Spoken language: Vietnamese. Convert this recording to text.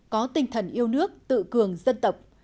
có tinh thần yêu nước tự cường dân tộc